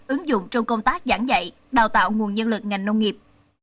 ứng dụng trong công tác giảng dạy đào tạo nguồn nhân lực ngành nông nghiệp